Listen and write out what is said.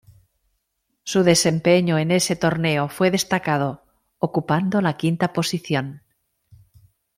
Su desempeño en ese torneo fue destacado, ocupando la quinta posición.